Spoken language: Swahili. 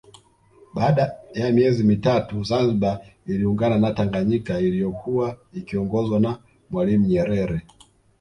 Baada ya miezi mitatu Zanzibar iliungana na Tanganyika iliyokuwa ikiongozwa na Mwalimu Nyerere